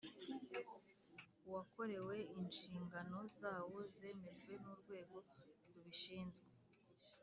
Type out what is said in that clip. Wakorewe inshingano zawo zemejwe n’ urwego rubishinzwe